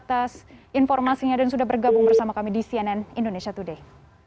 atas informasinya dan sudah bergabung bersama kami di cnn indonesia today